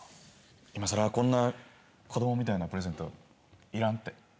今更こんな子どもみたいなプレゼントいらんって。